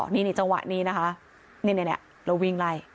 นี่จังหวะนี้นะคะนี่เราวิ่งไล่